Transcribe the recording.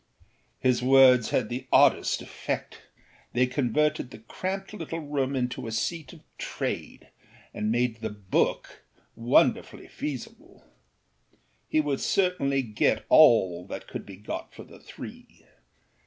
â His words had the oddest effect; they converted the cramped little room into a seat of trade and made the âbookâ wonderfully feasible. He would certainly get all that could be got for the three.